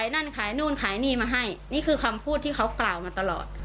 นี่คือคำพูดที่เค้ากล่าวมาตลอด